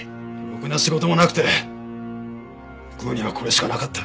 ろくな仕事もなくて食うにはこれしかなかった。